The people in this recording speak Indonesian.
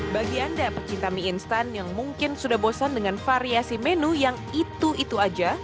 bagi anda pecinta mie instan yang mungkin sudah bosan dengan variasi menu yang itu itu aja